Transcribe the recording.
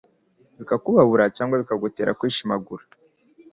bikakubabura cyangwa bikagutera kwishimagura